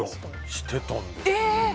してたんですよ。